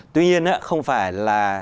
tuy nhiên không phải là